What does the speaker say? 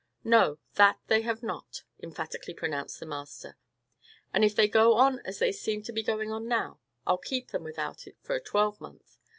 "No, that they have not," emphatically pronounced the master; "and, if they go on as they seem to be going on now, I'll keep them without it for a twelvemonth.